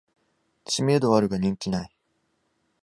知名度はあるが人気ない